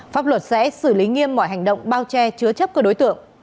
pháp luật sẽ xử lý nghiêm mọi hành động bao che chứa chấp các đối tượng